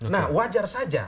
nah wajar saja